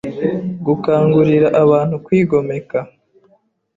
gukangurira abantu kwigomeka,